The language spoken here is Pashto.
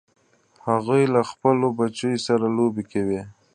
هغوی له خپلو بچو سره لوبې کوي